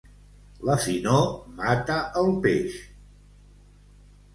La finor mata el peix.